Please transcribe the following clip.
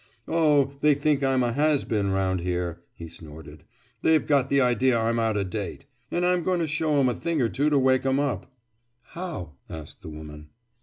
"Oh, they think I'm a has been round here," he snorted. "They've got the idea I'm out o' date. And I'm going to show 'em a thing or two to wake 'em up." "How?" asked the woman.